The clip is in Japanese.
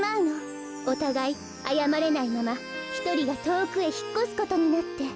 おたがいあやまれないままひとりがとおくへひっこすことになって。